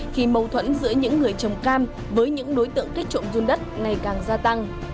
khi mâu thuẫn giữa những người trồng cam với những đối tượng kích trộm run đất ngày càng gia tăng